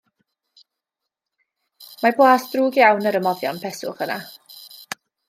Mae blas drwg iawn ar y moddion peswch yna.